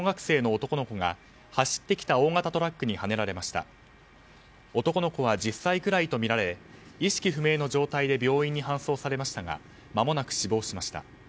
男の子は１０歳くらいとみられ意識不明の状態で病院へ搬送されましたがまもなく死亡しました。